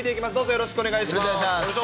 よろしくお願いします。